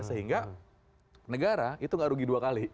sehingga negara itu gak rugi dua kali